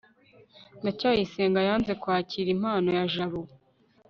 ndacyayisenga yanze kwakira impano ya jabo